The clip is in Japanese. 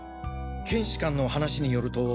検視官の話によると。